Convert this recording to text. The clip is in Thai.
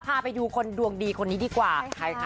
พาไปดูคนดวงดีคนนี้ดีกว่า